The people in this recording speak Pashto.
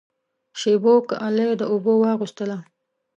شېبو کالی د اوبو واغوستله